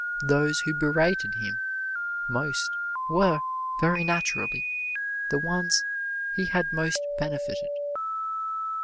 Those who berated him most were, very naturally, the ones he had most benefited.